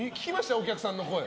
お客さんの声。